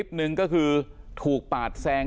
ตอนนี้ก็เปลี่ยนแบบนี้แหละ